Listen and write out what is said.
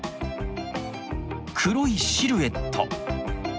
黒いシルエット。